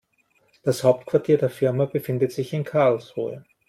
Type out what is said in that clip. Das Hauptquartier der Firma befindet sich in Karlsruhe